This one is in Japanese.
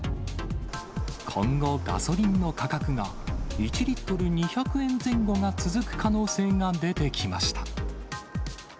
今後、ガソリンの価格が１リットル２００円前後が続く可能性が出てきました。